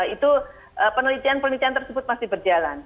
itu penelitian penelitian tersebut masih berjalan